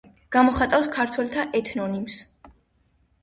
გამოხატავს ქართველთა ეთნონიმს.